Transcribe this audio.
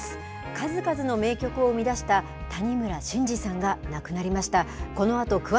数々の名曲を生み出した谷村新司さんが亡くなりました。